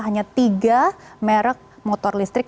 hanya tiga merek motor listrik